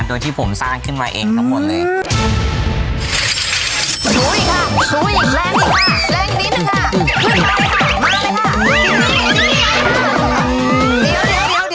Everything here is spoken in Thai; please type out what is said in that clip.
โดยที่ผมสร้างขึ้นมาเองทั้งหมดเลย